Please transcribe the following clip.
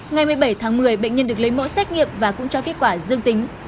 ngày một mươi bảy tháng một mươi bệnh nhân được lấy mẫu xét nghiệm và cũng cho kết quả dương tính